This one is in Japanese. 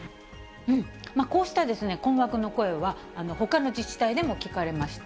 こうした困惑の声は、ほかの自治体でも聞かれました。